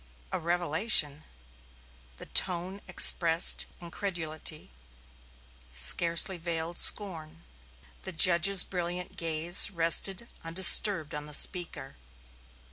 "A revelation!" the tone expressed incredulity, scarcely veiled scorn. The judge's brilliant gaze rested undisturbed on the speaker.